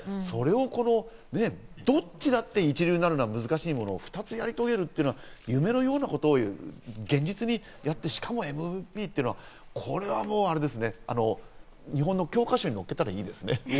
それを、どっちだって一流になるのは難しいものを２つやり遂げるっていうのは、夢のようなことを現実にやって、しかもＭＶＰというのは日本の教科書に載っけたらいいですね。